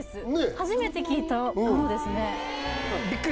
初めて聞いたものですね